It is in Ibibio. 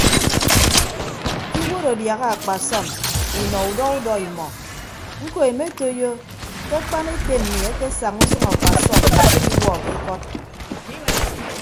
Ke iwuod adiaha akpasọm inọ udọ udọ imọ ñkọ emetoiyo ke akpan ete mmi akesaña usʌñ akpasọm ediwuọ ke ikọd.